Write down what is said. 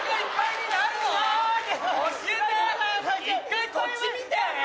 １回こっち見て。